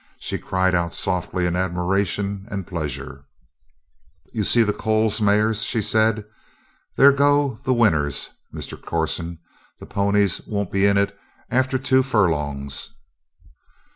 She cried out softly in admiration and pleasure. "You see the Coles mares?" she said. "There go the winners, Mr. Corson. The ponies won't be in it after two furlongs."